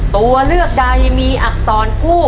ตัวเลือกใดมีอักษรกู้